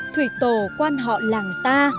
thủy tổ quan họ làng ta